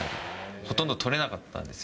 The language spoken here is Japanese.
ほとんど捕れなかったんですよ。